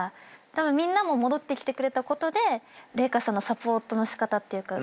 たぶんみんなも戻ってきてくれたことで麗華さんのサポートの仕方が分かったのかなっていうか。